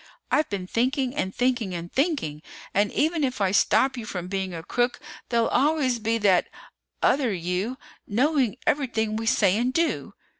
I've been thinking and thinking and thinking. And even if I stop you from being a crook, there'll always be that other you knowing everything we say and do."